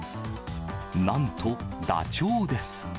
なんと、ダチョウです。